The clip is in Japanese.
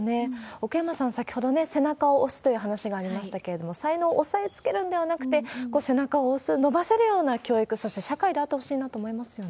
奥山さん、先ほどね、背中を押すという話がありましたけれども、才能を押さえつけるんではなくて、背中を押す、伸ばせるような教育、そして社会であってほしいなと思いますよね。